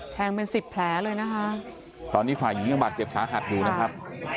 เป็นสิบแผลเลยนะคะตอนนี้ฝ่ายหญิงยังบาดเจ็บสาหัสอยู่นะครับ